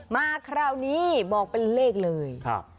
มาคราวนี้บอกเป็นเลขเลย